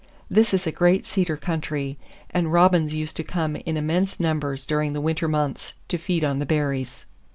This is a great cedar country, and robins used to come in immense numbers during the winter months, to feed on the berries.